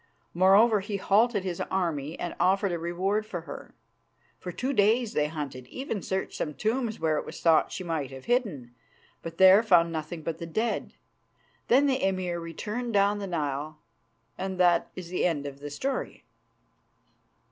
Moreover, he halted his army and offered a reward for her. For two days they hunted, even searching some tombs where it was thought she might have hidden, but there found nothing but the dead. Then the Emir returned down the Nile, and that is the end of the story."